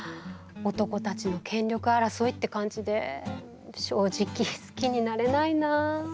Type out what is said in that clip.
男たちの権力争いって感じで正直好きになれないなあ。